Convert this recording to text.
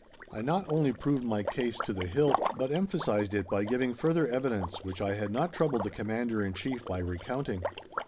I not only proved my case to the hilt, but emphasized it by giving further evidence which I had not troubled the Commander in Chief by recounting.